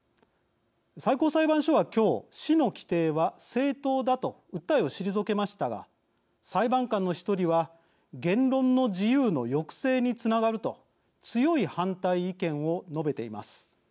最高裁判所は今日市の規定は正当だと訴えを退けましたが裁判官の１人は言論の自由の抑制につながると強い反対意見を述べています。